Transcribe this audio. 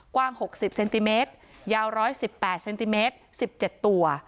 กว้างหกสิบเซนติเมตรยาวร้อยสิบแปดเซนติเมตรสิบเจ็ดตัว